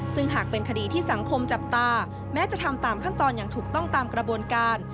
ซึ่งหากเป็นคดีที่สังคมจับตาแม้จะทำตามขั้นตอนอย่างถูกต้องตามกระบวนการ